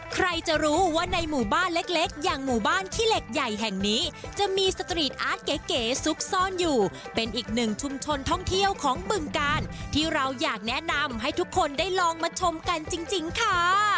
ใครจะรู้ว่าในหมู่บ้านเล็กอย่างหมู่บ้านขี้เหล็กใหญ่แห่งนี้จะมีสตรีทอาร์ตเก๋ซุกซ่อนอยู่เป็นอีกหนึ่งชุมชนท่องเที่ยวของบึงกาลที่เราอยากแนะนำให้ทุกคนได้ลองมาชมกันจริงค่ะ